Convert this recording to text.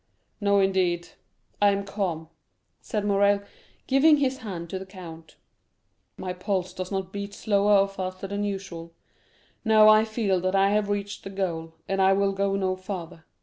"No, indeed,—I am calm," said Morrel, giving his hand to the count; "my pulse does not beat slower or faster than usual. No, I feel that I have reached the goal, and I will go no farther.